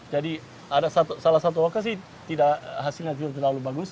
jadi ada salah satu lokasi tidak hasilnya terlalu bagus